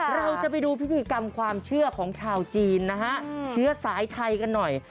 เราจะไปดูพิธีกรรมความเชื่อของชาวจีนนะฮะเชื้อสายไทยกันหน่อย